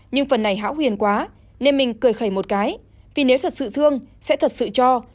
nhưng phần này hão huyền quá nên mình cười một cái vì nếu thật sự thương sẽ thật sự cho